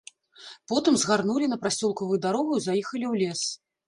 Потым згарнулі на прасёлкавую дарогу і заехалі ў лес.